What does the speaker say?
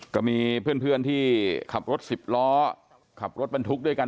ก็มีเพื่อนที่ขับรถสิบล้อขับรถบรรทุกด้วยกัน